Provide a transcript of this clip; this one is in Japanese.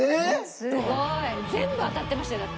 すごい！全部当たってましたよだって。